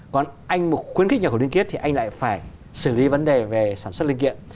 còn anh quyến khích nhập khẩu nguyên chiếc thì anh lại phải xử lý vấn đề về sản xuất linh kiện